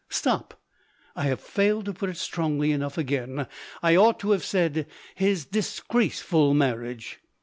Stop! I have failed to put it strongly enough again. I ought to have said, his disgraceful marriage."